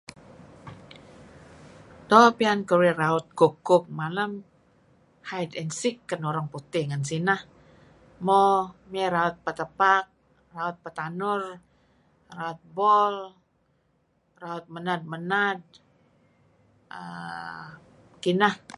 Doo' pian keruih raut kuk- kuk malem. Hide and seek ken orang putih ngen sineh. Mo mey raut petepak, raut petanur, raut bol, raut menad-menad. err Kineh.